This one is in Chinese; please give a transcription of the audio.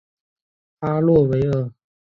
阿洛维尔。